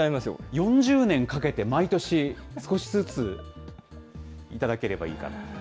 ４０年かけて、毎年少しずつ頂ければいいなと。